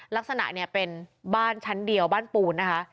ลักษณะเนี่ยเป็นบ้านชั้นเดียวบ้านปูนนะคะ